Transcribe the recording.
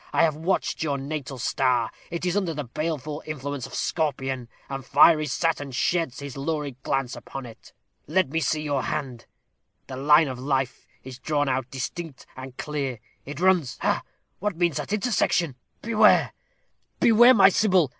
I have watched your natal star; it is under the baleful influence of Scorpion, and fiery Saturn sheds his lurid glance upon it. Let me see your hand. The line of life is drawn out distinct and clear it runs ha! what means that intersection? Beware beware, my Sybil.